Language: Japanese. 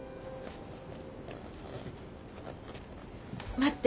待って。